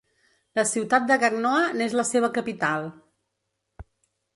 La ciutat de Gagnoa n'és la seva capital.